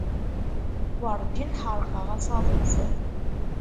Werǧin ḥerqeɣ asaḍuf.